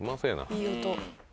いい音。